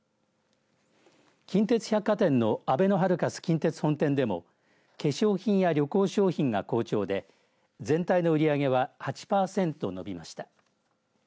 近鉄百貨店のあべのハルカス近鉄本店でも化粧品や旅行商品が好調で全体の売り上げは８パーセント伸びました。